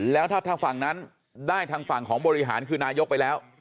แล้วถ้าฝั่งนั้นได้ทางฝั่งของบริหารคือนายกไปแล้ว